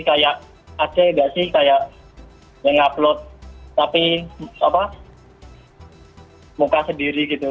kayak ada nggak sih yang upload tapi muka sendiri gitu